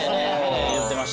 言ってましたよね。